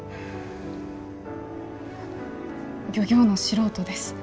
漁業の素人です。